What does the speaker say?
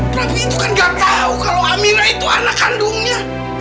prabu itu kan gak tahu kalau amila itu anak kandungnya